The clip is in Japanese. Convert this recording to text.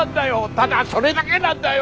ただそれだけなんだよ！